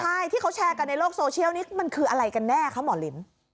ใช่ที่เขาแชร์กันในโลกโซเชียลนี้มันคืออะไรกันแน่คะหมอลิ้น